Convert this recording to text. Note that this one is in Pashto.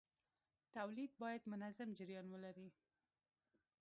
تولید باید منظم جریان ولري.